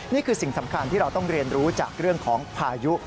นี่คือสิ่งสำคัญที่เราต้องเรียนรู้จากเรื่องของพายุ